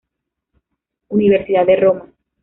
Universidad de Roma".